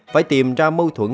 phải tìm ra mâu thuẫn